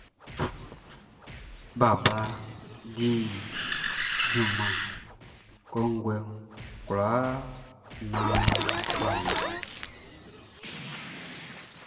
Baba di junman kɔnguɛ kwlaa ka naan wʼa la.